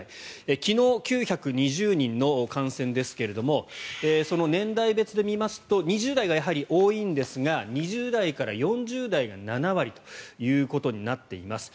昨日、９２０人の感染ですがその年代別で見ますと２０代がやはり多いんですが２０代から４０代が７割ということになっています。